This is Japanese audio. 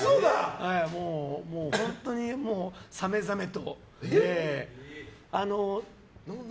本当にさめざめと。